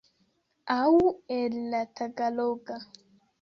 Aŭ el la tagaloga.